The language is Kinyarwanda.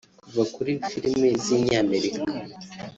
Kuva kuri filime z’inyamerika